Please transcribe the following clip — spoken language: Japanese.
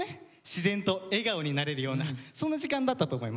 自然と笑顔になれるようなそんな時間だったと思います。